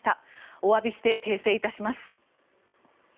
おわびして訂正いたします。